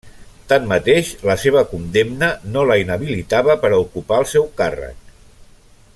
Tanmateix, la seva condemna no la inhabilitava per a ocupar el seu càrrec.